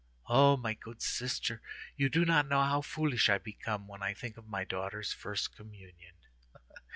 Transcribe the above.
O my good sister, you do not know how foolish I become when I think of my daughter's first communion!"